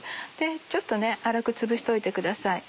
ちょっと粗くつぶしておいてください。